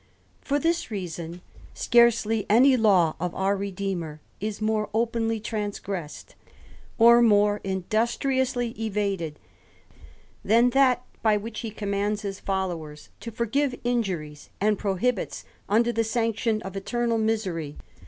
For this reason, scarcely any law of our Redeemer is more openly transgressed, or more industriously evaded, than that by which he commands his followers to forgive injuries, and prohibits, under the sanction of eternal misery, r 1 88 THE RAMBLER.